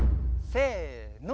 せの。